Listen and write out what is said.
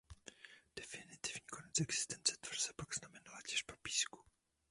Definitivní konec existence tvrze pak znamenala těžba písku.